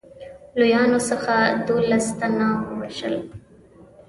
لویانو څخه دوولس تنه ووژل.